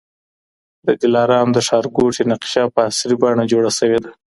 د دلارام د ښارګوټي نقشه په عصري بڼه جوړه سوې ده